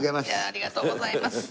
ありがとうございます。